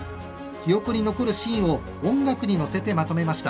記憶に残るシーンを音楽に乗せてまとめました。